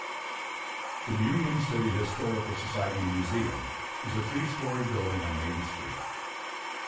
The Union City Historical Society Museum is a three story building on Main Street.